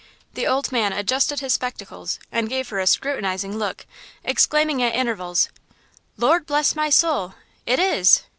The old man adjusted his spectacles and gave her a scrutinizing look, exclaiming at intervals: "Lord bless my soul, it is!